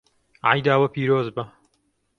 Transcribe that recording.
Eyda we pîroz be.